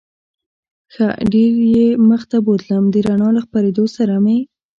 ښه ډېر یې مخ ته بوتلم، د رڼا له خپرېدو سره مې.